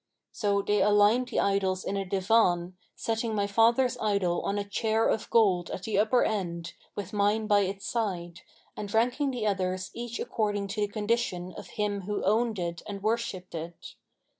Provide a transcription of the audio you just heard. So they aligned the idols in a Divan,[FN#522] setting my father's idol on a chair of gold at the upper end, with mine by its side, and ranking the others each according to the condition of him who owned it and worshipped it.